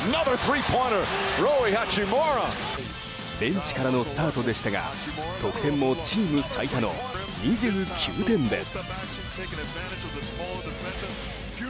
ベンチからのスタートでしたが得点もチーム最多の２９点です。